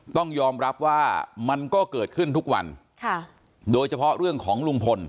ต้องยอมรับว่ามันก็เกิดขึ้นทุกวันค่ะโดยเฉพาะเรื่องของลุงพล